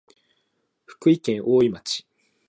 福井県おおい町